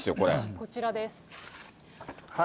こちらです。